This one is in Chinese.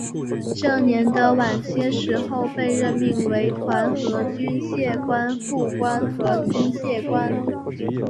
这年的晚些时候被任命为团和军械官副官和军械官。